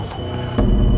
tujuh tahun yang lalu